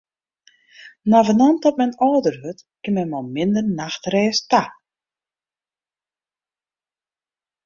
Navenant dat men âlder wurdt, kin men mei minder nachtrêst ta.